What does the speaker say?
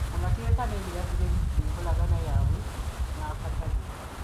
Amateeka n'ebiragiro ebifuga enkolagana yaabwe n'akatale.